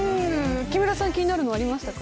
木村さん気になるのありましたか。